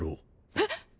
えっ！？